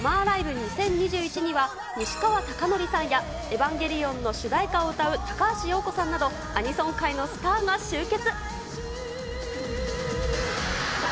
２０２１には、西川貴教さんや、エヴァンゲリオンの主題歌を歌う高橋洋子さんなど、アニソン界のスターが集結。